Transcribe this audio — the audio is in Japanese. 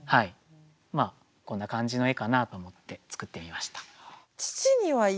まあこんな感じの絵かなと思って作ってみました。